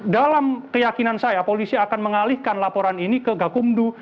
dalam keyakinan saya polisi akan mengalihkan laporan ini ke gakumdu